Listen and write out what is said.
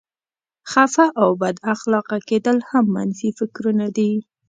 خفه او بد اخلاقه کېدل هم منفي فکرونه دي.